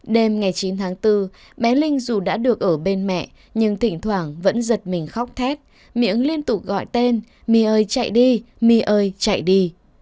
đêm ngày chín tháng bốn bé linh dù đã được ở bên mẹ nhưng thỉnh thoảng vẫn giật mình khóc thét miệng liên tục gọi tên mì ơi chạy đi mỉ ơi chạy đi